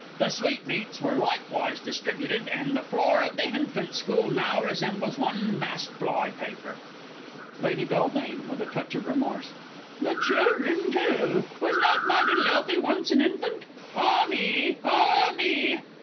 The sweetmeats were likewise distributed, and the floor of the hinfant school now resembles one vast fly paper. Lady B. (with a touch of remorse). The children too! Was not my little Elfie once an infant? Ah me, ah me!